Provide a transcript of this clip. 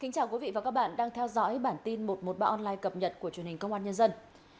chào mừng quý vị đến với bản tin một trăm một mươi ba online cập nhật của truyền hình công an nhân dân